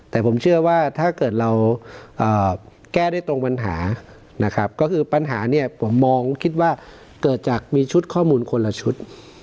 แต่ผมเชื่อว่าถ้าเกิดเราแก้ได้ตรงปัญหานะครับก็คือปัญหาเนี่ยผมมองคิดว่าเกิดจากมีชุดข้อมูลคนละชุด